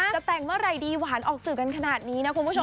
จะแต่งเมื่อไหร่ดีหวานออกสื่อกันขนาดนี้นะคุณผู้ชม